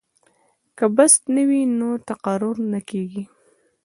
که بست نه وي نو تقرر نه کیږي.